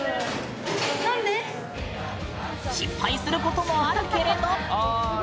失敗することもあるけれど。